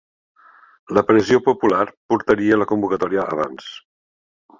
La pressió popular portaria la convocatòria abans.